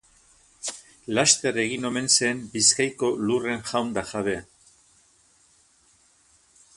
Laster egin omen zen Bizkaiko lurren jaun eta jabe.